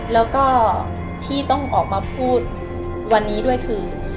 แล้วก็ที่ต้องออกมาพูดวันนี้ด้วยคือ